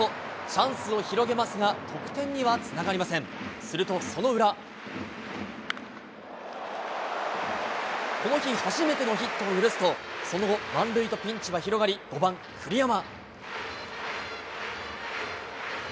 チャンスを広げますが、得点にはこの日初めてのヒットを許すと、その後、満塁とピンチは広がり、５番栗山。